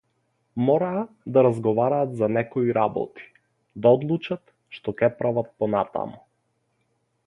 Мораа да разговараат за некои работи, да одлучат што ќе прават понатаму.